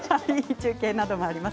中継などもあります。